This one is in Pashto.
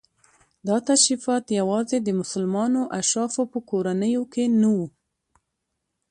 دا تشریفات یوازې د مسلمانو اشرافو په کورنیو کې نه وو.